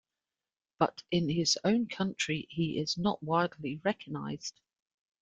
But in his own country he is not widely recognized.